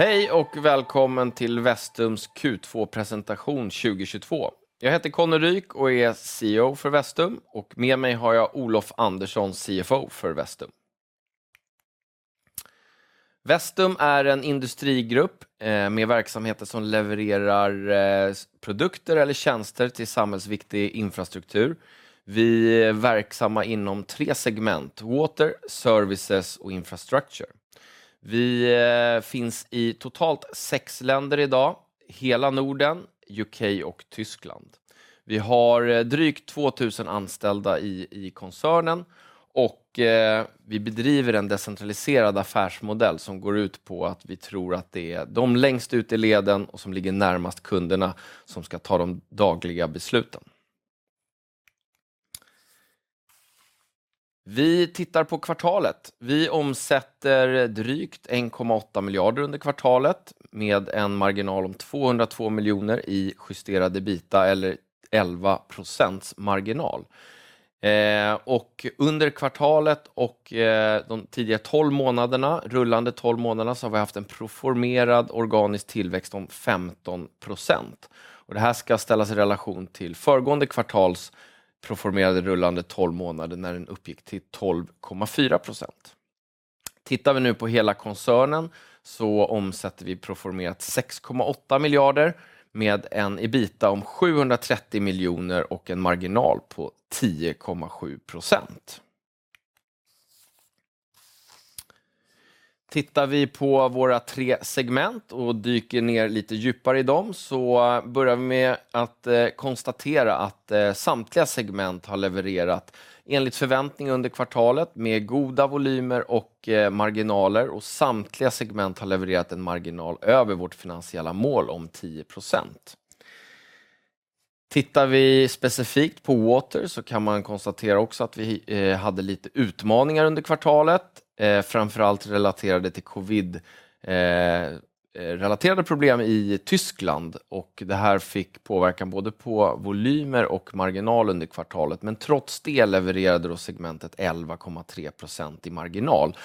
Hej och välkommen till Vestums Q2-presentation 2022. Jag heter Conny Ryk och är CEO för Vestum och med mig har jag Olof Andersson, CFO för Vestum. Vestum är en industrigrupp med verksamheter som levererar produkter eller tjänster till samhällsviktig infrastruktur. Vi är verksamma inom tre segment: Water, Services och Infrastructure. Vi finns i totalt 6 länder i dag, hela Norden, U.K. och Tyskland. Vi har drygt 2,000 anställda i koncernen och vi bedriver en decentraliserad affärsmodell som går ut på att vi tror att det är de längst ut i leden och som ligger närmast kunderna som ska ta de dagliga besluten. Vi tittar på kvartalet. Vi omsätter drygt SEK 1.8 miljarder under kvartalet med en marginal om SEK 202 miljoner i justerade EBITDA eller 11% marginal. Under kvartalet och de tidiga tolv månaderna, rullande tolv månaderna, så har vi haft en proformerad organisk tillväxt om 15%. Det här ska ställas i relation till föregående kvartals proformerade rullande tolv månader när den uppgick till 12.4%. Tittar vi nu på hela koncernen så omsätter vi proformerat SEK 6.8 miljarder med en EBITDA om SEK 730 miljoner och en marginal på 10.7%. Tittar vi på våra tre segment och dyker ner lite djupare i dem så börjar vi med att konstatera att samtliga segment har levererat enligt förväntning under kvartalet med goda volymer och marginaler och samtliga segment har levererat en marginal över vårt finansiella mål om 10%. Tittar vi specifikt på Water så kan man konstatera också att vi hade lite utmaningar under kvartalet, framför allt relaterade till covid, relaterade problem i Tyskland. Det här fick påverkan både på volymer och marginal under kvartalet. Trots det levererade då segmentet 11.3% i marginal.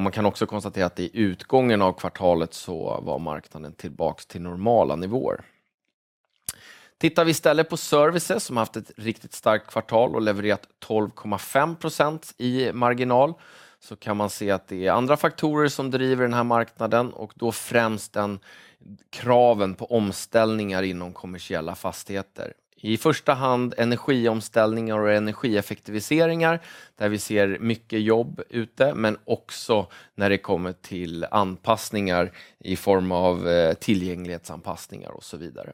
Man kan också konstatera att i utgången av kvartalet så var marknaden tillbaka till normala nivåer. Tittar vi istället på Services som haft ett riktigt starkt kvartal och levererat 12.5% i marginal så kan man se att det är andra faktorer som driver den här marknaden och då främst den kraven på omställningar inom kommersiella fastigheter. I första hand energiomställningar och energieffektiviseringar, där vi ser mycket jobb ute, men också när det kommer till anpassningar i form av tillgänglighetsanpassningar och så vidare.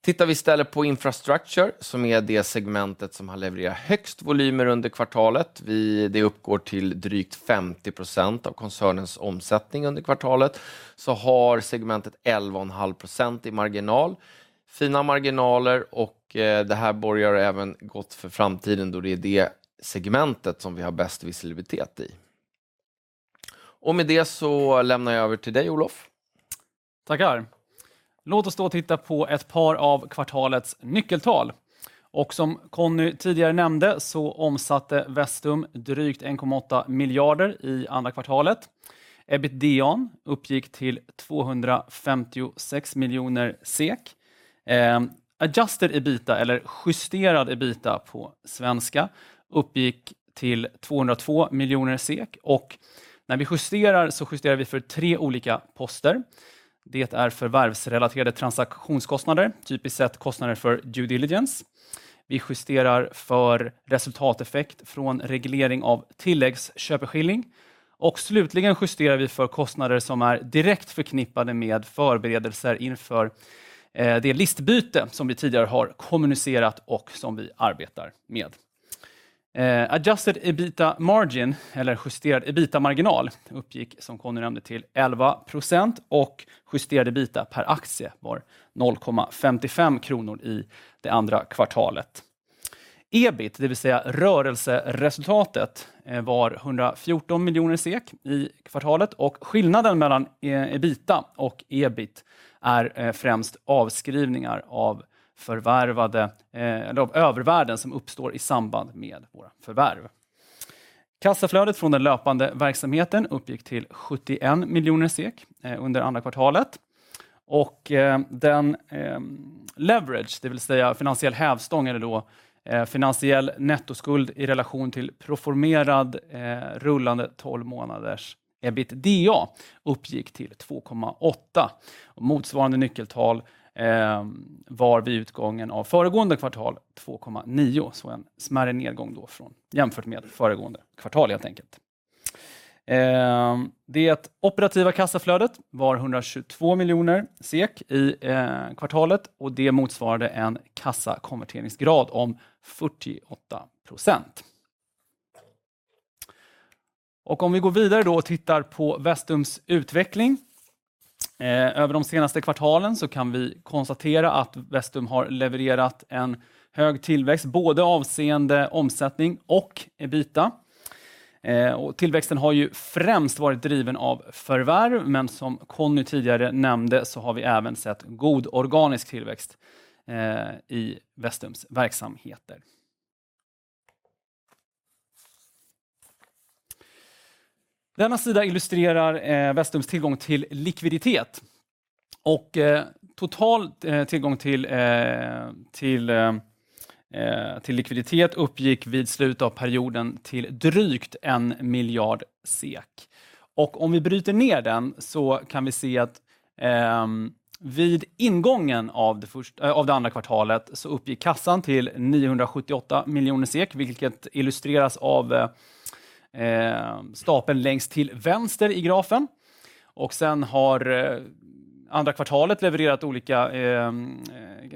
Tittar vi istället på Infrastructure, som är det segmentet som har levererat högst volymer under kvartalet. Det uppgår till drygt 50% av koncernens omsättning under kvartalet, så har segmentet 11.5% i marginal. Fina marginaler och det här borgar även gott för framtiden då det är det segmentet som vi har bäst visibilitet i. Med det så lämnar jag över till dig, Olof. Tackar. Låt oss då titta på ett par av kvartalets nyckeltal. Som Conny tidigare nämnde så omsatte Vestum drygt SEK 1.8 miljarder i andra kvartalet. EBITDA uppgick till SEK 256 miljoner. Adjusted EBITDA eller justerad EBITDA på svenska uppgick till SEK 202 miljoner. När vi justerar så justerar vi för tre olika poster. Det är förvärvsrelaterade transaktionskostnader, typiskt sett kostnader för due diligence. Vi justerar för resultateffekt från reglering av tilläggsköpeskilling. Slutligen justerar vi för kostnader som är direkt förknippade med förberedelser inför det listbyte som vi tidigare har kommunicerat och som vi arbetar med. Adjusted EBITDA margin eller justerad EBITDA-marginal uppgick som Conny nämnde till 11% och justerad EBITDA per aktie var SEK 0.55 i det andra kvartalet. EBIT, det vill säga rörelseresultatet, var SEK 114 miljoner i kvartalet och skillnaden mellan EBITDA och EBIT är främst avskrivningar av förvärvade eller av övervärden som uppstår i samband med våra förvärv. Kassaflödet från den löpande verksamheten uppgick till SEK 71 miljoner under andra kvartalet. Den leverage, det vill säga finansiell hävstång eller då finansiell nettoskuld i relation till proformerad rullande 12 månaders EBITDA, uppgick till 2.8. Motsvarande nyckeltal var vid utgången av föregående kvartal 2.9. Så en smärre nedgång då från jämfört med föregående kvartal helt enkelt. Det operativa kassaflödet var SEK 122 miljoner i kvartalet och det motsvarade en kassakonverteringsgrad om 48%. Om vi går vidare då och tittar på Vestum's utveckling över de senaste kvartalen så kan vi konstatera att Vestum har levererat en hög tillväxt, både avseende omsättning och EBITDA. Tillväxten har ju främst varit driven av förvärv, men som Conny tidigare nämnde så har vi även sett god organisk tillväxt i Vestum's verksamheter. Denna sida illustrerar Vestum's tillgång till likviditet. Total tillgång till likviditet uppgick vid slutet av perioden till slightly more than SEK 1 billion. Om vi bryter ner den så kan vi se att vid ingången av det andra kvartalet så uppgick kassan till SEK 978 million, vilket illustreras av stapeln längst till vänster i grafen. Sen har andra kvartalet levererat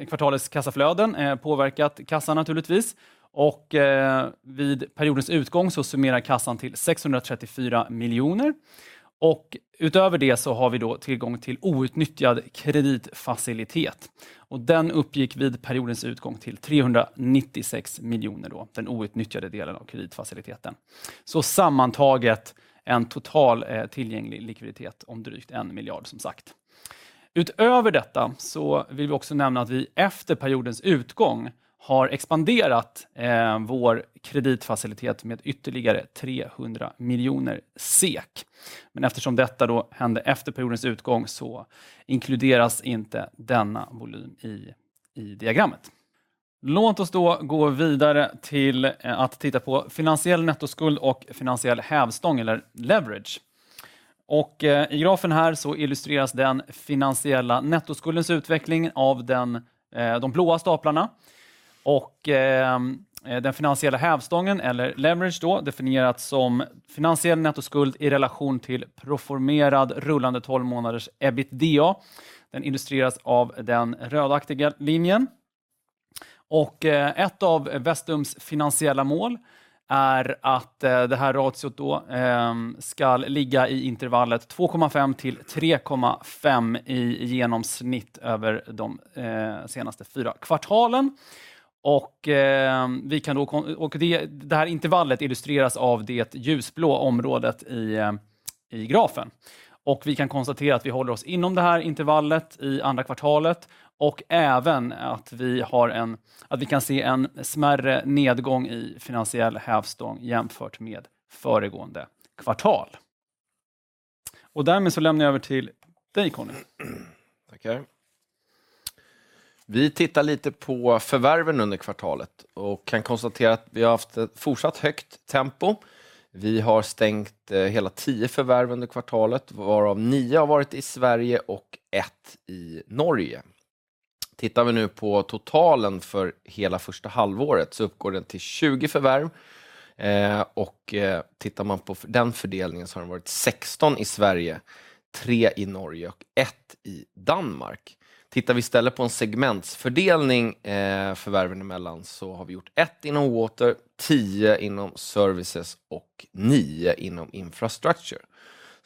kvartalets kassaflöden, påverkat kassan naturligtvis. Vid periodens utgång så summerar kassan till SEK 634 million. Utöver det så har vi då tillgång till outnyttjad kreditfacilitet. Den uppgick vid periodens utgång till SEK 396 miljoner, den outnyttjade delen av kreditfaciliteten. Så sammantaget en total tillgänglig likviditet om drygt SEK 1 miljard som sagt. Utöver detta så vill vi också nämna att vi efter periodens utgång har expanderat vår kreditfacilitet med ytterligare SEK 300 miljoner SEK. Men eftersom detta då hände efter periodens utgång så inkluderas inte denna volym i diagrammet. Låt oss då gå vidare till att titta på finansiell nettoskuld och finansiell hävstång eller leverage. I grafen här så illustreras den finansiella nettoskuldens utveckling av de blåa staplarna. Den finansiella hävstången eller leverage då definierat som finansiell nettoskuld i relation till proformerad rullande tolv månaders EBITDA. Den illustreras av den rödaktiga linjen. Ett av Vestum's finansiella mål är att det här ratiot då ska ligga i intervallet 2.5-3.5 i genomsnitt över de senaste 4 kvartalen. Det här intervallet illustreras av det ljusblå området i grafen. Vi kan konstatera att vi håller oss inom det här intervallet i andra kvartalet och även att vi kan se en smärre nedgång i finansiell hävstång jämfört med föregående kvartal. Därmed lämnar jag över till dig, Conny. Tackar. Vi tittar lite på förvärven under kvartalet och kan konstatera att vi har haft ett fortsatt högt tempo. Vi har stängt hela 10 förvärv under kvartalet, varav 9 har varit i Sverige och 1 i Norge. Tittar vi nu på totalen för hela första halvåret så uppgår den till 20 förvärv. Och tittar man på den fördelningen så har den varit 16 i Sverige, 3 i Norge och 1 i Danmark. Tittar vi istället på en segmentsfördelning, förvärven emellan så har vi gjort 1 inom Water, 10 inom Services och 9 inom Infrastructure.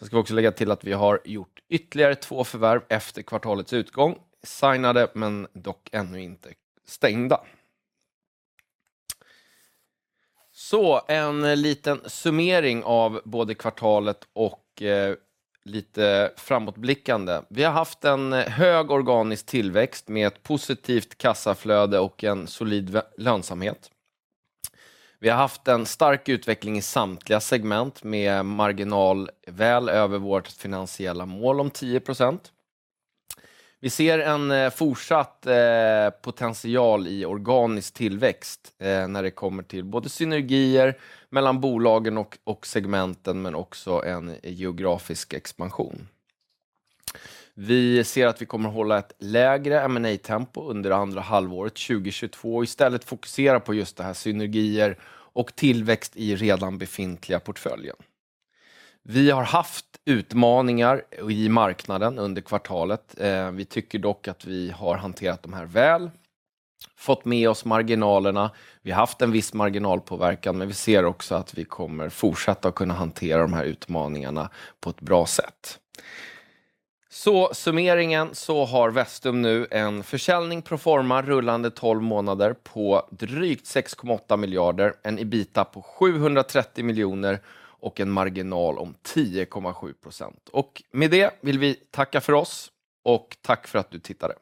Vi ska också lägga till att vi har gjort ytterligare 2 förvärv efter kvartalets utgång, signade men dock ännu inte stängda. En liten summering av både kvartalet och lite framåtblickande. Vi har haft en hög organisk tillväxt med ett positivt kassaflöde och en solid lönsamhet. Vi har haft en stark utveckling i samtliga segment med marginal väl över vårt finansiella mål om 10%. Vi ser en fortsatt potential i organisk tillväxt när det kommer till både synergier mellan bolagen och segmenten, men också en geografisk expansion. Vi ser att vi kommer att hålla ett lägre M&A-tempo under andra halvåret 2022 och istället fokusera på just det här synergier och tillväxt i redan befintliga portföljen. Vi har haft utmaningar i marknaden under kvartalet. Vi tycker dock att vi har hanterat de här väl, fått med oss marginalerna. Vi har haft en viss marginalpåverkan, men vi ser också att vi kommer fortsätta att kunna hantera de här utmaningarna på ett bra sätt. Summeringen så har Vestum nu en försäljning proforma rullande 12 månader på drygt SEK 6.8 miljarder, en EBITDA på SEK 730 miljoner och en marginal om 10.7%. Med det vill vi tacka för oss och tack för att du tittade.